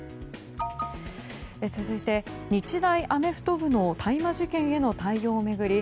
続いて、日大アメフト部の大麻事件への対応を巡り